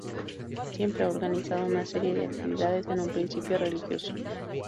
Siempre ha organizado una serie de actividades, en un principio religiosas.